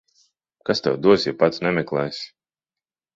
Kas tev dos, ja pats nemeklēsi.